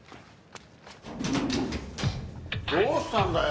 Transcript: どうしたんだよ？